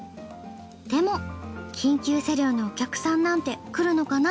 でも緊急車両のお客さんなんて来るのかな？